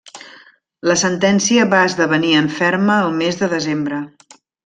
La sentència va esdevenir en ferma el mes de desembre.